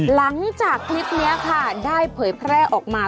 หลังจากคลิปนี้ค่ะได้เผยแพร่ออกมา